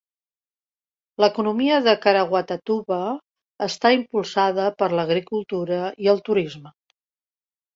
L'economia de Caraguatatuba està impulsada per l'agricultura i el turisme.